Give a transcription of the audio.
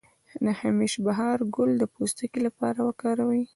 د همیش بهار ګل د پوستکي لپاره وکاروئ